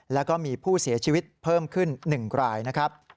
แล้วก็มีผู้เสียชีวิตเพิ่มขึ้น๑รายนะครับ